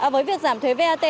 với việc giảm thuế vat